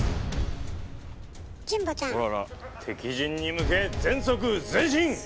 敵陣に向け全速前進！